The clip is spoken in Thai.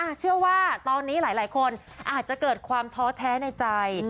เชื่อว่าตอนนี้หลายคนอาจจะเกิดความท้อแท้ในใจ